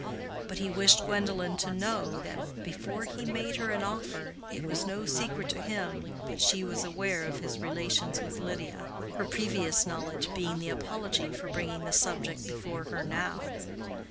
But he wished Gwendolen to know that before he made her an offer it was no secret to him that she was aware of his relations with Lydia, her previous knowledge being the apology for bringing the subject before her now.